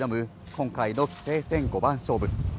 今回の棋聖戦五番勝負。